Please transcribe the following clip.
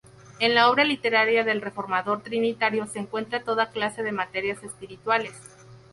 En la obra literaria del Reformador trinitario se encuentra toda clase de materias espirituales.